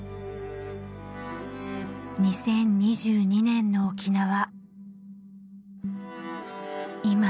２０２２年の沖縄